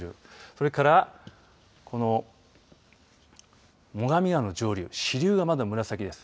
それから最上川の上流支流はまだ紫色です。